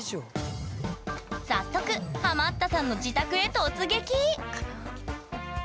早速ハマったさんの自宅へ突撃！